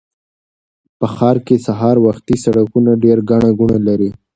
په ښار کې سهار وختي سړکونه ډېر ګڼه ګوڼه لري